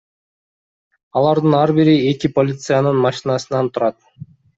Алардын ар бири эки полициянын машинасынан турат.